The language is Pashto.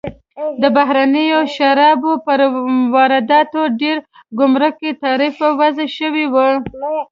د بهرنیو شرابو پر وارداتو ډېر ګمرکي تعرفه وضع شوې وه.